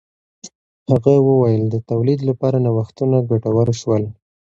هغه وویل د تولید لپاره نوښتونه ګټور شول.